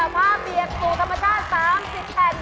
ผ้าเปียกสู่ธรรมชาติ๓๐แผ่น